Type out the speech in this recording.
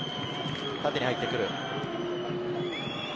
縦に入ってくる。